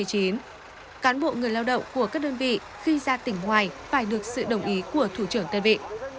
cán bộ người lao động của các đơn vị khi ra tỉnh ngoài phải được sự đồng ý của thủ trưởng đơn vị